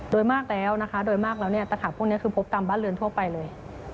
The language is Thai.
โดยมากแล้วโดยมากแล้วตรฐานพวกนี้คือพบตามบ้านเรือนทั่วไปเลย